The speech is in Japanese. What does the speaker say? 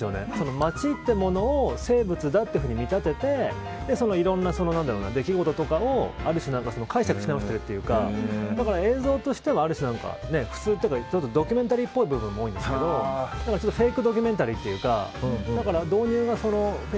街というものを生物と見立てていろんな出来事とかをある種、解釈してますよというか映像としてはある種普通というかドキュメンタリーっぽい部分も多いんですけどフェイク